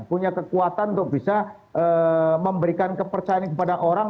punya kekuatan untuk bisa memberikan kepercayaan kepada orang